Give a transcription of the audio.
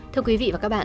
thưa quý vị và các bạn